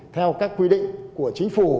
theo các quy định của chính phủ